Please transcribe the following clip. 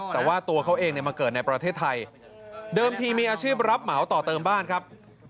แต่ว่าตัวเขาเองมาเกิดในประเทศไทยเดิมทีมีอาชีพรับเหมาต่อเติมบ้านครับ